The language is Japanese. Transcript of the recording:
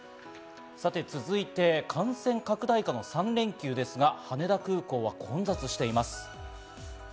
続いて、感染拡大下の３連休ですが、羽田空港は混雑しています。